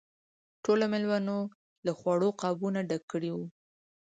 ټولو مېلمنو له خوړو قابونه ډک کړي وو.